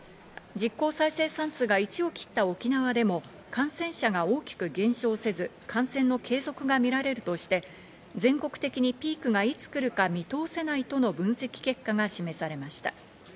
実効再生産数が１を切った沖縄でも感染者が大きく減少せず、感染の継続が見られるとして、全国的にピークがいつ来るか見通せないとの分析結果が示されました。